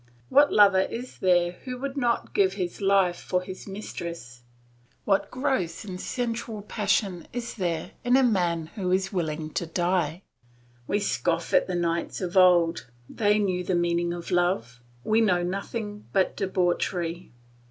What lover is there who would not give his life for his mistress? What gross and sensual passion is there in a man who is willing to die? We scoff at the knights of old; they knew the meaning of love; we know nothing but debauchery.